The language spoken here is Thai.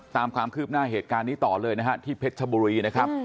ตามความคืบหน้าเหตุการณ์นี้ต่อเลยนะฮะที่เพชรชบุรีนะครับ